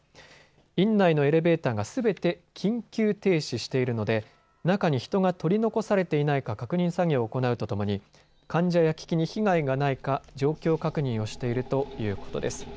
院内のエレベーターがすべて緊急停止しているので中に人が取り残されていないか確認作業を行うとともに患者や機器に被害がないか状況確認しているということです。